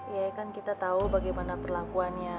ya kan kita tahu bagaimana perlakuannya